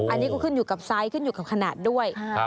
อันนี้ก็ขึ้นอยู่กับไซส์ขึ้นอยู่กับขนาดด้วย